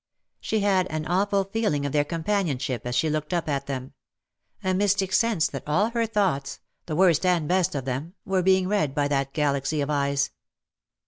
She had an awful feeling of their companionship as she looked up at them — a mystic sense that all her thoughts — the worst and best of them — were being read by that galaxy of eyes.